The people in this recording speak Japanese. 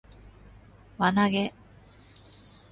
輪投げ